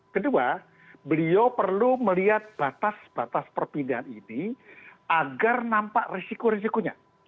kedua beliau perlu melihat batas batas perpindahan ini agar nampak risiko risikonya